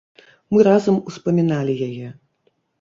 Мы разам успаміналі яе.